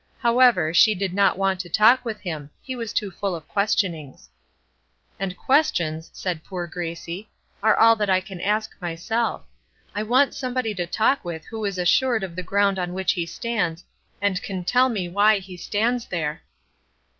However, she did not want to talk with him; he was too full of questionings. "And questions," said poor Gracie, "are all that I can ask myself. I want somebody to talk with who is assured of the ground on which he stands, and can tell me why he stands there."